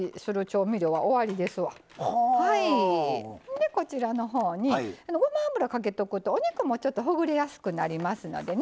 でこちらのほうにごま油かけとくとお肉もちょっとほぐれやすくなりますのでね。